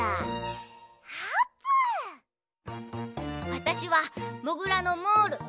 わたしはモグラのモール。